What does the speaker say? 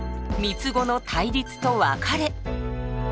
三つ子の対立と別れ。